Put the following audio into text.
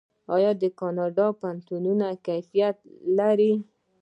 د کاناډا پوهنتونونه کیفیت لري.